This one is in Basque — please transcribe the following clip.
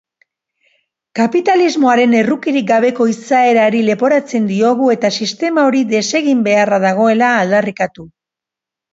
Kapitalismoaren errukirik gabeko izaerari leporatzen diogu eta sistema hori desegin beharra dagoela aldarrikatu.